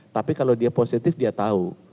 tapi kalau dia positif dia tahu